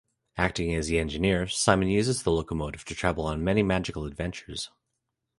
Acting as the engineer Simon uses the locomotive to travel on many magical adventures.